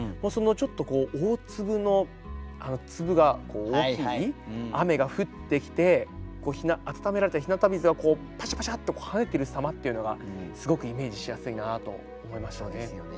ちょっと大粒の粒が大きい雨が降ってきて温められた日向水がパシャパシャッと跳ねてる様っていうのがすごくイメージしやすいなと思いました。